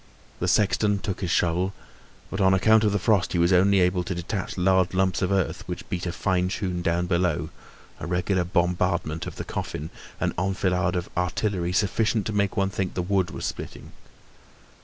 The sexton took his shovel, but on account of the frost, he was only able to detach large lumps of earth, which beat a fine tune down below, a regular bombardment of the coffin, an enfilade of artillery sufficient to make one think the wood was splitting.